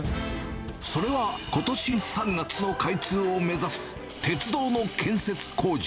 それはことし３月の開通を目指す鉄道の建設工事。